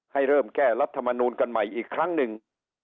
ให้เริ่มแก้รัฐมนูลกันใหม่อีกครั้งหนึ่ง